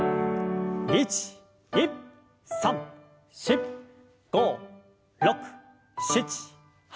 １２３４５６７８。